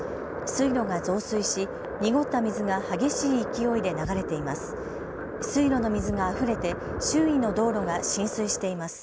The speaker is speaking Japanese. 水路が増水し濁った水が激しい勢いで流れています。